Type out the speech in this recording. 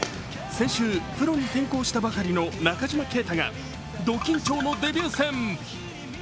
先週、プロに転向したばかりの中島啓太がド緊張のデビュー戦。